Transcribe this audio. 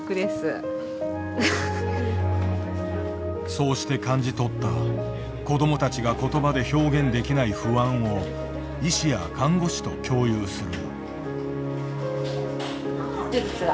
そうして感じ取った子どもたちが言葉で表現できない不安を医師や看護師と共有する。